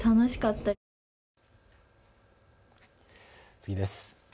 次です。